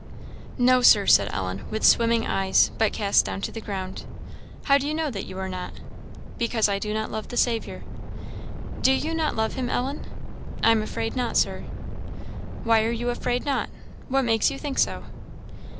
"No, Sir," said Ellen, with swimming eyes, but cast down to the ground. "How do you know that you are not?" "Because I do not love the Saviour." "Do you not love him, Ellen?" "I am afraid not, Sir." "Why are you afraid not? What makes you think so?"